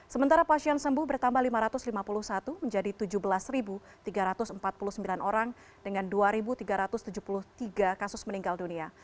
sementara pasien sembuh bertambah lima ratus lima puluh satu menjadi tujuh belas tiga ratus empat puluh sembilan orang dengan dua tiga ratus tujuh puluh tiga kasus meninggal dunia